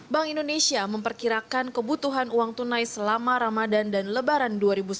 bank indonesia memperkirakan kebutuhan uang tunai selama ramadan dan lebaran dua ribu sembilan belas